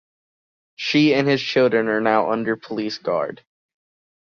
She and his children are now under police guard.